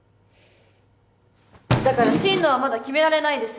だから進路はまだ決められないです！